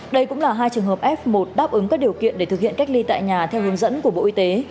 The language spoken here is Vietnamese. đây cũng là hai trường hợp f một đáp ứng các điều kiện để thực hiện cách ly tại nhà theo hướng dẫn của bộ y tế